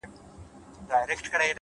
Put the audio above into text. مهرباني د زړونو ترمنځ فاصله کموي,